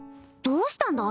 どうしたんだ